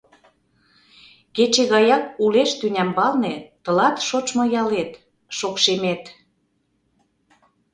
Кече гаяк улеш тӱнямбалне тылат шочмо ялет — Шокшемет!